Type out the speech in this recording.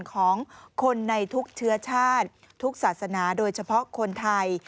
ของคนในทุกเชื้อชาติทุกศาสนาโดยเฉพาะคนไทย